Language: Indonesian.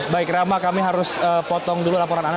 baik rama kami harus potong dulu laporan anda